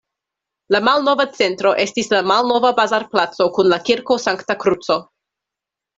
La malnova centro estis la Malnova bazarplaco kun la Kirko Sankta Kruco.